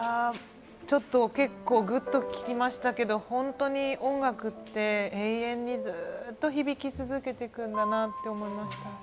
ちょっと結構、グッときましたけど、本当に音楽って永遠にずっと響き続けていくんだなと思いました。